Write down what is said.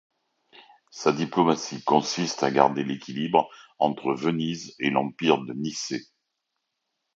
Sa diplomatie consiste à garder l'équilibre entre Venise et l'empire de Nicée.